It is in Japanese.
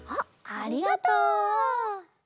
ありがとう！